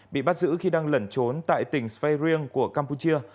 bị bắt giữ khi đang lẩn trốn tại tỉnh sveing của campuchia